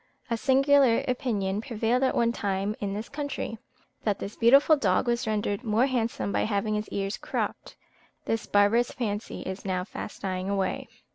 A singular opinion prevailed at one time in this country, that this beautiful dog was rendered more handsome by having his ears cropped: this barbarous fancy is now fast dying away.